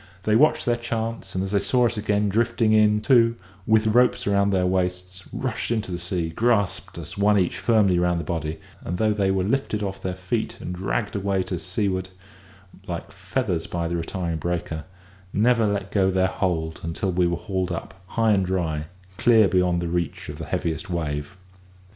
They watched their chance, and as they saw us again drifting in, two, with ropes round their waists, rushed into the sea, grasped us, one each, firmly round the body; and, though they were lifted off their feet and dragged away to seaward like feathers by the retiring breaker, never let go their hold until we were hauled up high and dry, clear beyond the reach of the heaviest wave.